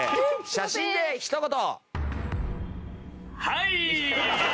写真でひと言。